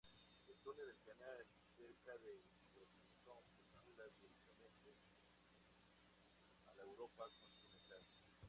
El Túnel del Canal, cerca de Folkestone, vincula directamente a la Europa continental.